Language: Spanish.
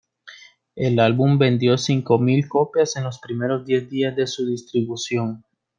El álbum vendió cinco mil copias en los primeros diez días de su distribución.